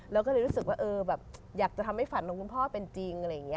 เราก็เลยรู้สึกว่าเออแบบอยากจะทำให้ฝันของคุณพ่อเป็นจริงอะไรอย่างนี้